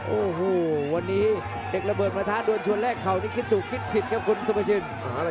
โอ้โหวันนี้เด็กระเบิดประทะโดนชวนแรกเข่านี่คิดถูกคิดผิดครับคุณสุภาชิน